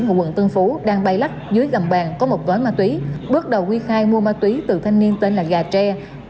ở quận tân phú đang bay lắc dưới gầm bàn có một gói ma túy bước đầu quy khai mua ma túy từ thanh niên tên là gà tre